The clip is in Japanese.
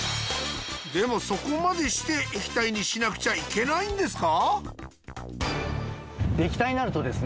でもそこまでして液体にしなくちゃいけないんですか？